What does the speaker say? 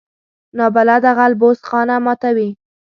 نابلده غل بوس خانه ماتوي